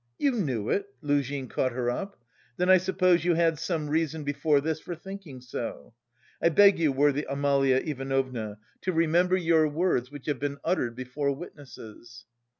"You knew it?" Luzhin caught her up, "then I suppose you had some reason before this for thinking so. I beg you, worthy Amalia Ivanovna, to remember your words which have been uttered before witnesses."